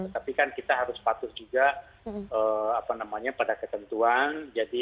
tapi kan kita harus patuh juga pada ketentuan